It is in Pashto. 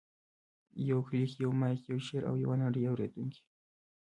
یو کلیک، یو مایک، یو شعر، او یوه نړۍ اورېدونکي.